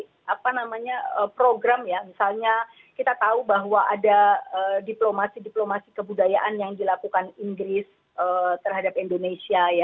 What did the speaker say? kita mempunyai banyak sekali apa namanya program ya misalnya kita tahu bahwa ada diplomasi diplomasi kebudayaan yang dilakukan inggris terhadap indonesia ya